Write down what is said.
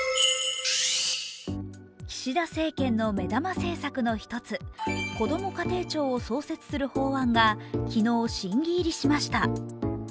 岸田政権の目玉政策の１つ、こども家庭庁を創設する法案が昨日、審議入りしました。